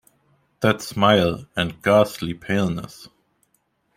That smile, and ghastly paleness!